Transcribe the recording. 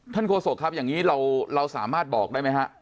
โฆษกครับอย่างนี้เราสามารถบอกได้ไหมฮะ